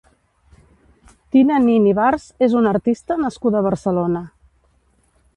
Tina Nin Ibars és una artista nascuda a Barcelona.